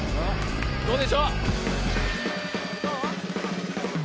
どうでしょう？